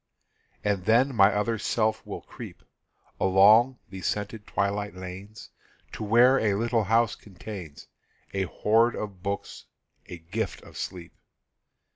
And then my other self will creep Along the scented twilight lanes To where a little house contains A hoard of books, a gift of sleep.